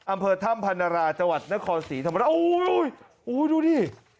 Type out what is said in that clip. อำเภอถ้ำพันธราจังหวัดนครศรีถ้ำพันธราโอ้โหโอ้โหดูดิ